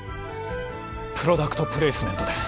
プロダクトプレイスメントです